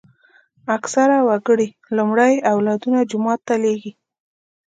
اکثره وګړي لومړی اولادونه جومات ته لېږي.